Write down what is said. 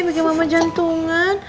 bikin mama jantungan